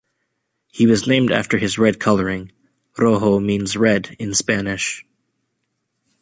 He was named after his red coloring ("rojo" means "red" in Spanish).